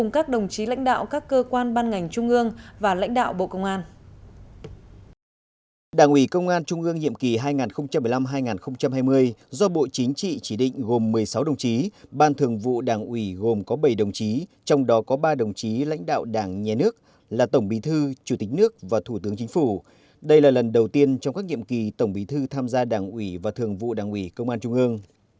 các nhiệm kỳ hai nghìn một mươi năm hai nghìn hai mươi do bộ chính trị chỉ định gồm một mươi sáu đồng chí ban thường vụ đảng ủy gồm có bảy đồng chí trong đó có ba đồng chí lãnh đạo đảng nhé nước là tổng bí thư chủ tịch nước và thủ tướng chính phủ đây là lần đầu tiên trong các nhiệm kỳ tổng bí thư tham gia đảng ủy và thường vụ đảng ủy công an trung ương